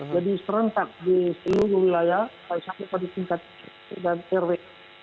jadi serentak di seluruh wilayah saya sampaikan di tingkat dan terwik